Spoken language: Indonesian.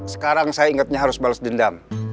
sekarang saya ingatnya harus balas dendam